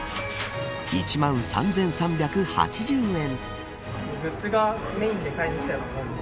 １万３３８０円。